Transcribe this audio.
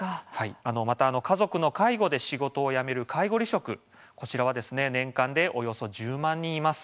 また家族の介護で仕事を辞める介護離職、こちらは年間でおよそ１０万人います。